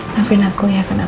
tapi nanti aku liat kenapa